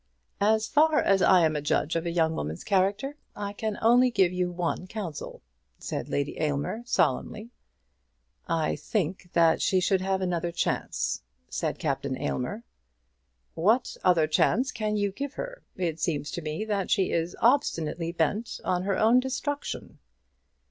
"As far as I am a judge of a young woman's character, I can only give you one counsel," said Lady Aylmer solemnly. "I think that she should have another chance," said Captain Aylmer. "What other chance can you give her? It seems to me that she is obstinately bent on her own destruction."